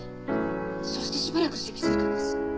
そしてしばらくして気付いたんです。